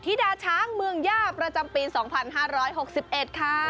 ดาช้างเมืองย่าประจำปี๒๕๖๑ค่ะ